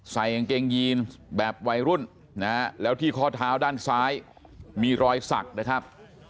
ใส่กางเกงยีนแบบวัยรุ่นนะฮะแล้วที่ข้อเท้าด้านซ้ายมีรอยสักนะครับ